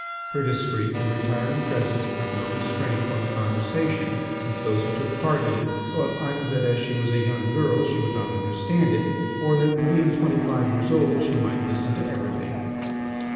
Her discreet and retiring presence put no restraint upon the conversation, since those who took part in it thought either that as she was a young girl she would not understand it, or that, being twenty five years old, she might listen to everything.